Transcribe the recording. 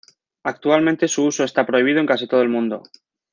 Actualmente su uso está prohibido en casi todo el mundo.